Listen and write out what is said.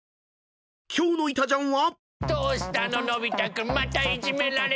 ［今日の『いたジャン』は］